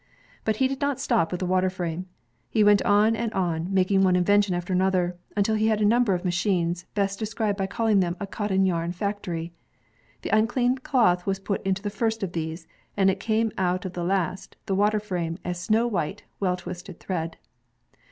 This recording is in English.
But he did not stop with the water frame. He went on and on, making one invention after another, until he had a number of machines, best described by calling them a cotton yarn factory. The uncleaned cotton was put into the first of these, and it came out of the last, the water frame, as snow white, well twisted thread.